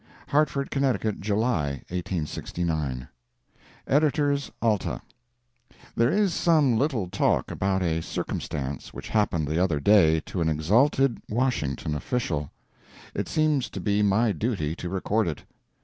HARTFORD, Conn., July, 1869 EDITORS ALTA: There is some little talk about a circumstance which happened the other day to an exalted Washington official. It seems to be my duty to record it.